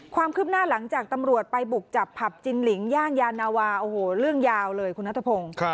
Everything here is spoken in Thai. ความคลิบหน้าหลังจากตำรวจไปเปลี่ยนอย่างยานาวาเรื่องยาวเลยคุณธพง